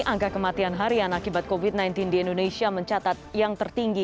angka kematian harian akibat covid sembilan belas di indonesia mencatat yang tertinggi